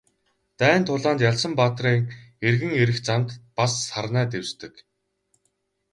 Дайн тулаанд ялсан баатрын эргэн ирэх замд бас сарнай дэвсдэг.